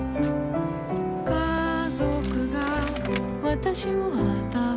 家族が私をあたためる。